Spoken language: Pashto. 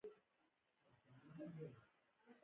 درد مې پر زړه هماغسې بوغمه ولاړ و.